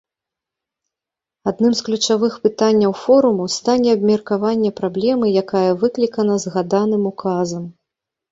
Адным з ключавых пытанняў форуму стане абмеркаванне праблемы, якая выклікана згаданым указам.